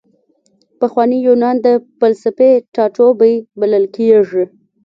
پخوانی یونان د فلسفې ټاټوبی بلل کیږي.